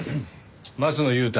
松野優太